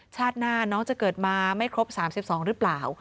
ชาติหน้าน้องจะเกิดมาไม่ครบ๓๒หรือเปล่า